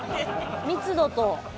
密度と。